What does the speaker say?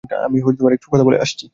আমি একটু কথা বলে আসছি।